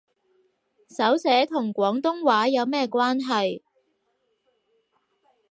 手寫同廣東話有咩關係